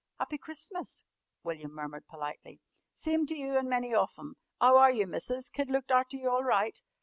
"Happy Christmas," William murmured politely. "Sime to you an' many of them. 'Ow are you, Missus? Kid looked arter you all right?